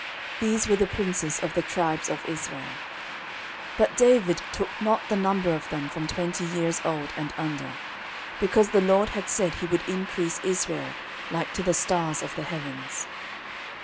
These were the princes of the tribes of Israel. 13:027:023 But David took not the number of them from twenty years old and under: because the LORD had said he would increase Israel like to the stars of the heavens.